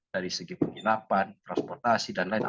dari segi penginapan transportasi dan lain lain